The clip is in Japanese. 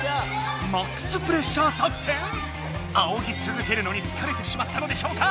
ＭＡＸプレッシャー作戦⁉あおぎつづけるのにつかれてしまったのでしょうか